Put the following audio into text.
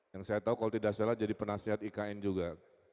yang saya tahu kalau tidak salah jadi penasihat ikn juga